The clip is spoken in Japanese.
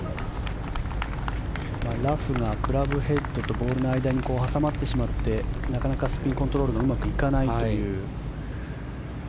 ラフがクラブヘッドとボールの間に挟まってしまってなかなかスピンコントロールがうまくいかないという。